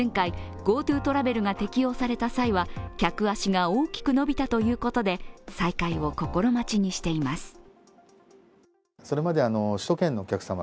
前回、ＧｏＴｏトラベルが適用された際は客足が大きく伸びたということで再開を心待ちにしています。